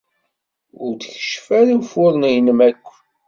Ur d-keccef ara ufuren-nnem akk.